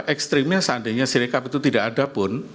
ekstrimnya seandainya sirikap itu tidak ada pun